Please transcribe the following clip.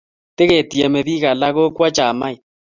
tiketieme biik alak kokwa chamait